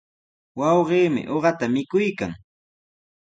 Wawqiimi uqata mikuykan.